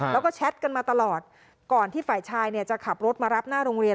แล้วก็แชทกันมาตลอดก่อนที่ฝ่ายชายเนี่ยจะขับรถมารับหน้าโรงเรียน